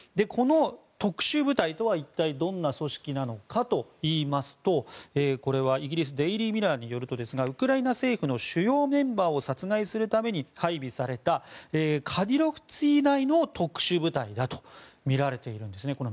この特殊部隊というのは一体、どんな組織なのかといいますとイギリスデイリー・ミラーによりますとウクライナ政府の主要メンバーを殺害するために配備されたカディロフツィ内の特殊部隊だとみられているんですね。